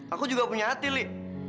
aku juga punya hati ly